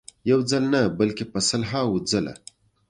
یو ځل نه بلکې په سلهاوو ځله.